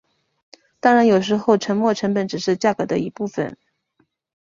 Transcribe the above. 当然有时候沉没成本只是价格的一部分。